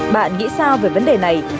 bạn nghĩ sao về vấn đề này